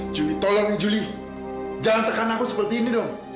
juli tolong juli jangan tekan aku seperti ini dong